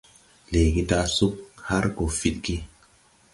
Leege daʼ sug har gɔ fidgi.